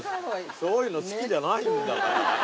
そういうの好きじゃないんだから。